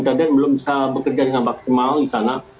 keadaan belum bisa bekerja dengan maksimal di sana